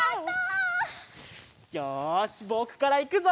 よしぼくからいくぞ！